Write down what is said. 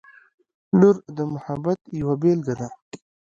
• لور د محبت یوه بېلګه ده.